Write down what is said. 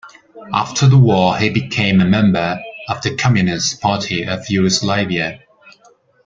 After the war he became a member of the Communist Party of Yugoslavia.